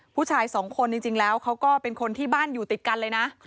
ผู้ชายสองคนจริงแล้วเขาก็เป็นคนที่บ้านอยู่ติดกันเลยนะ